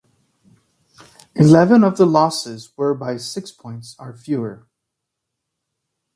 Eleven of the losses were by six points are fewer.